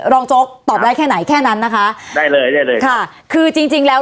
โจ๊กตอบได้แค่ไหนแค่นั้นนะคะได้เลยได้เลยค่ะคือจริงจริงแล้ว